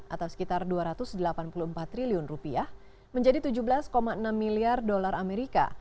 atau sekitar dua ratus delapan puluh empat triliun rupiah menjadi tujuh belas enam miliar dolar amerika